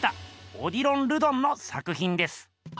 オディロン・ルドンの作ひんです。